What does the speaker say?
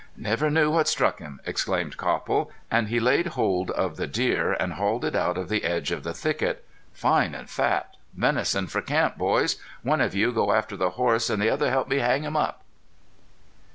"Never knew what struck him!" exclaimed Copple, and he laid hold of the deer and hauled it out of the edge of the thicket. "Fine an' fat. Venison for camp, boys. One of you go after the horses an' the other help me hang him up."